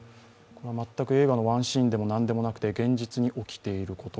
これは全く映画のワンシーンでも何でもなくて現実に起きていること。